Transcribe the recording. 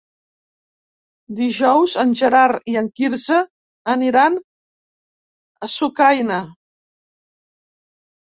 Dijous en Gerard i en Quirze aniran a Sucaina.